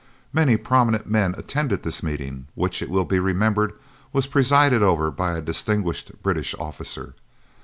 Many prominent men attended this meeting, which, it will be remembered, was presided over by a distinguished British officer.